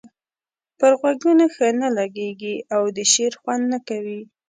پر غوږونو ښه نه لګيږي او د شعر خوند نه کوي.